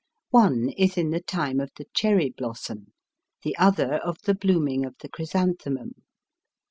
One is in the time of the cherry blossom, the other of the blooming of the chrysanthemum.